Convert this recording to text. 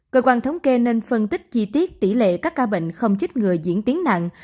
cơ quan thống kê nên phân tích chi tiết tỷ lệ các ca bệnh không chích người diễn tiến nặng